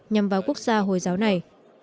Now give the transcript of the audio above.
nhằm vào quốc gia hồi giáo này